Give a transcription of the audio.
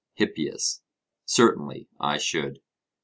HIPPIAS: certainly I should.